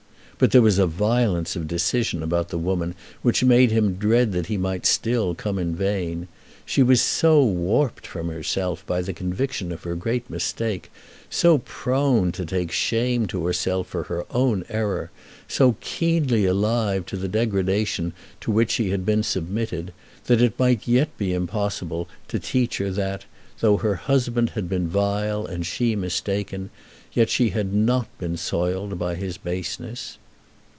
But there was a violence of decision about the woman which made him dread that he might still come in vain. She was so warped from herself by the conviction of her great mistake, so prone to take shame to herself for her own error, so keenly alive to the degradation to which she had been submitted, that it might yet be impossible to teach her that, though her husband had been vile and she mistaken, yet she had not been soiled by his baseness.